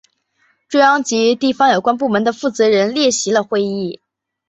中央及地方有关部门的负责人列席了会议。